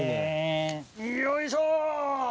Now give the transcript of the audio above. よいしょ！